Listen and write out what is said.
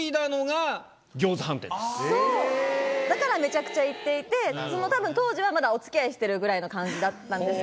だからめちゃくちゃ行っていて当時はまだお付き合いしてるぐらいの感じだったんですけど。